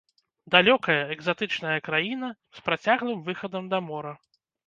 Далёкая, экзатычная краіна, з працяглым выхадам да мора.